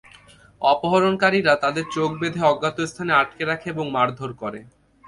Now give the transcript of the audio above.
অপহরণকারীরা তাঁদের চোখ বেঁধে অজ্ঞাত স্থানে আটকে রাখে এবং মারধর করে।